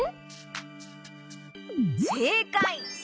せいかい！